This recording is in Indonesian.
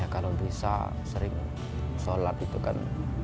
kalau bisa sering sholat itu kan